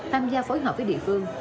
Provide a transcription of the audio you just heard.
tham gia phối hợp với địa phương